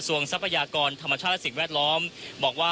คุณทัศนาควดทองเลยค่ะ